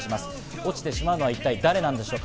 落ちてしまうのは一体誰なんでしょうか。